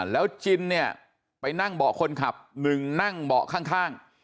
แล้วจินไปนั่งเบาะคนขับ